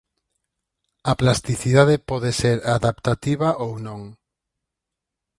A plasticidade pode ser adaptativa ou non.